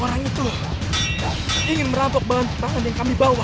orang itu ingin merampok bahan bahan yang kami bawa